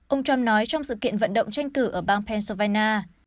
ông trump nói trong sự kiện vận động tranh cử ở bang pencevana